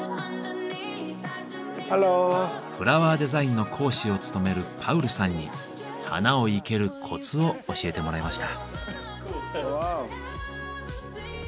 フラワーデザインの講師を務めるパウルさんに花を生けるコツを教えてもらいました。